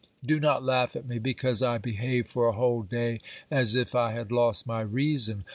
Do not laugh at me because I behaved for a whole day as if I had lost my reason.